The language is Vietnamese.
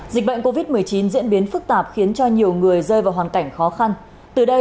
dịch bệnh covid một mươi chín diễn biến phức tạp khiến cho nhiều người rơi vào hoàn cảnh khó khăn từ đây